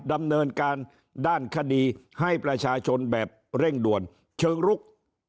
ดำเนินการด้านคดีให้ประชาชนแบบเร่งด่วนเชิงลุก